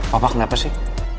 papa kenapa sih